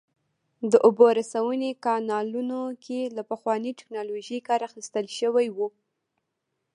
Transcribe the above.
د اوبو رسونې کانالونو کې له پخوانۍ ټکنالوژۍ کار اخیستل شوی و